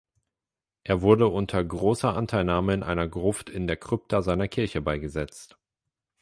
Er wurde unter grosser Anteilnahme in einer Gruft in der Krypta seiner Kirche beigesetzt.